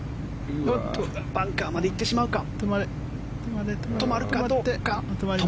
バンカーまで行ってしまうか。